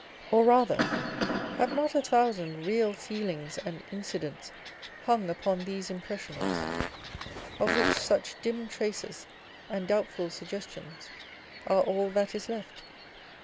Or rather, have not a thousand 272 The New School of real feelings and incidents hung upon these impressions, of which such dim traces and doubtful suggestions are all that is left